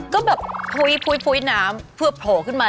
ก็แบบฟุ้ยน้ำเพื่อโผล่ขึ้นมา